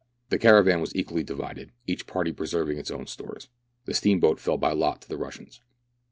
The caravan was equally divided, each party preserving its own stores. The steam boat fell by lot to the Russians.